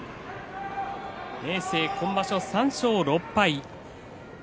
明生は今場所、３勝６敗。